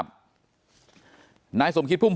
เป็นวันที่๑๕ธนวาคมแต่คุณผู้ชมค่ะกลายเป็นวันที่๑๕ธนวาคม